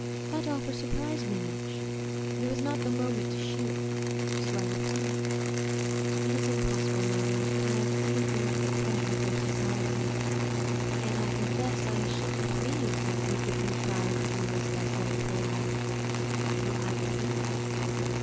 That offer surprised me much, but it was not the moment to shew it, so I replied: "It is impossible, madam, to add anything to the pleasure of your society, yet I confess I should be pleased if you could contrive to do us that great favour." "Well, I will think of it."